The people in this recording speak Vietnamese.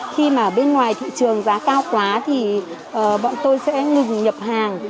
khi bên ngoài thị trường giá cao quá bọn tôi sẽ ngừng nhập hàng